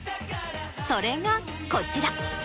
それがこちら。